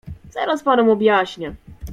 "Zaraz panom objaśnię."